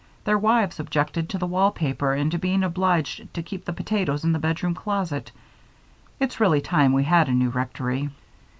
Their wives objected to the wall paper and to being obliged to keep the potatoes in the bedroom closet. It's really time we had a new rectory."